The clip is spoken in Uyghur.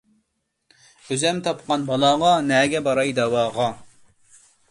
ئۆزۈم تاپقان بالاغا، نەگە باراي داۋاغا.